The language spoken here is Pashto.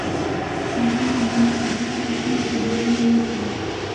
هغې د نن سهار د پېښې بیان وکړ